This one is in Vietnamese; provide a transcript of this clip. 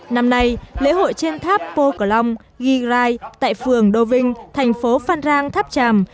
năm nay lễ hội trên tháp pô cửa long ghi rai tại phường đô vinh thành phố phan rang tháp tràm